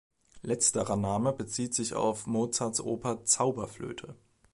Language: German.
Letzterer Name bezieht sich auf Mozarts Oper "Zauberflöte".